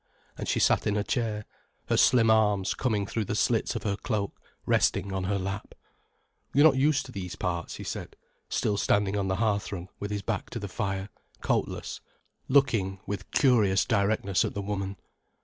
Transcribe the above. And she sat in a chair, her slim arms, coming through the slits of her cloak, resting on her lap. "You're not used to these parts," he said, still standing on the hearthrug with his back to the fire, coatless, looking with curious directness at the woman.